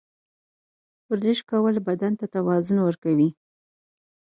ورزش کول بدن ته توازن ورکوي.